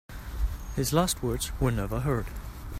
His last words were never heard.